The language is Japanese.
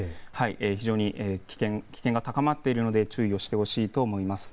非常に危険が高まっているので注意をしてほしいと思います。